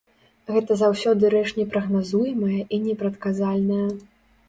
Гэта заўсёды рэч непрагназуемая і непрадказальная.